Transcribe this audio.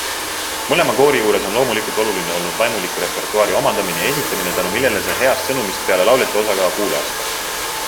Mõlema koori juures on loomulikult oluline olnud vaimuliku repertuaari omandamine ja esitamine, tänu millele sai heast sõnumist peale lauljate osa ka kuulajaskond.